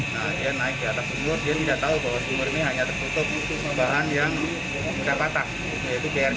nah dia naik ke atas sumur dia tidak tahu bahwa sumur ini hanya tertutup itu sumur bahan yang mudah patah yaitu grc